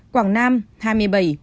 quảng nam hai mươi bảy